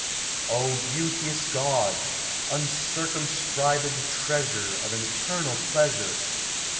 O beauteous God ! uncircumscribed treasure Of an eternal pleasure